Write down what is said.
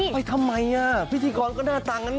ไปทำไมพิธีกรก็หน้าตางั้น